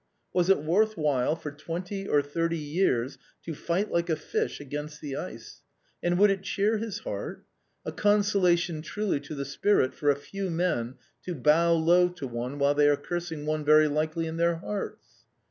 Was it worth while for twenty or thirty years to fight like a fish against the ice ? And would it cheer his heart ? A con solation truly to the spirit for a few men to bow low to one while they are cursing one very likely in their hearts